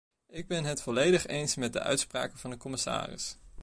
Ik ben het volledig eens met de uitspraken van de commissaris.